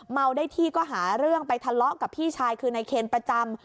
เมาได้ที่ก็หาเรื่องไปทะเลาะกับพี่ชายคือนายเคนประจำ